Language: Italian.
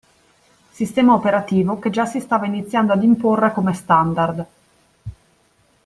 Sistema operativo che già si stava iniziando ad imporre come standard.